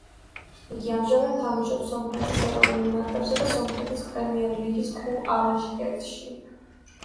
იგი ამჟამად თამაშობს სომხეთის ეროვნულ ნაკრებსა და სომხეთის პრემიერლიგის კლუბ ალაშკერტში.